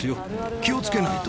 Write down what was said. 気をつけないと。